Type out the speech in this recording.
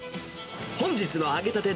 本日の揚げたて